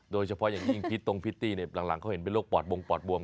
โดยเฉพาะอย่างนี้ตรงพิตตี้เนี่ยหลังเขาเห็นเป็นโรคปอดบวง